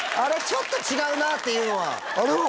ちょっと違うなっていうのはあれは？